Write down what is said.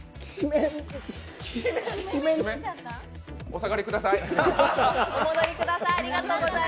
お下がりください。